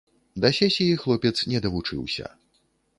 Да сесіі хлопец не давучыўся.